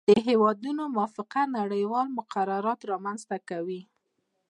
د هیوادونو موافقه نړیوال مقررات رامنځته کوي